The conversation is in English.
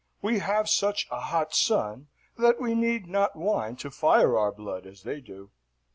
We have such a hot sun, that we need not wine to fire our blood as they do.